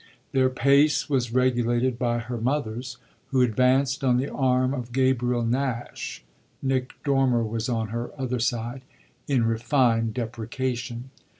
Their pace was regulated by her mother's, who advanced on the arm of Gabriel Nash (Nick Dormer was on her other side) in refined deprecation.